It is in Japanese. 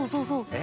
え？